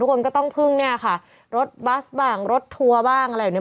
ทุกคนก็ต้องพึ่งรถบัสบ้างรถทัวร์บ้างอะไรอย่างนี้